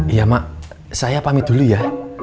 iya mak saya pamit dulu ya